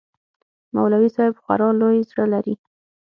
مولوى صاحب خورا لوى زړه لري.